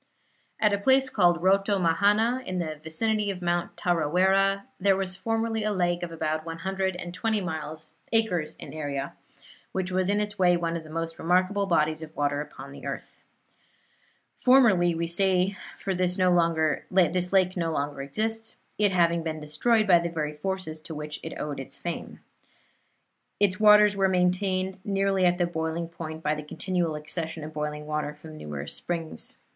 At a place called Rotomahana, in the vicinity of Mount Tarawera, there was formerly a lake of about one hundred and twenty acres in area, which was in its way one of the most remarkable bodies of water upon the earth. Formerly, we say, for this lake no longer exists, it having been destroyed by the very forces to which it owed its fame. Its waters were maintained nearly at the boiling point by the continual accession of boiling water from numerous springs.